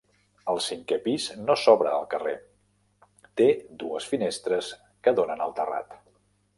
El cinquè pis no s'obre al carrer, té dues finestres que donen al terrat.